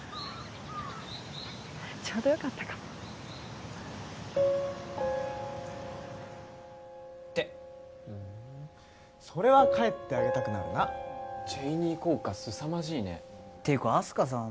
ちょうどよかったかもってうんそれは帰ってあげたくなるな ＣＨＡＹＮＥＹ 効果すさまじいねていうかあす花さん